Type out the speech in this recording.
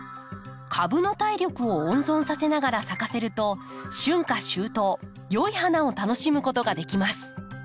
株の体力を温存させながら咲かせると春夏秋冬良い花を楽しむことができます。